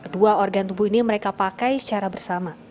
dua organ tubuh ini mereka pakai secara bersama